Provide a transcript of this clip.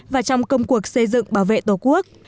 và trong công cuộc xây dựng bảo vệ tổ quốc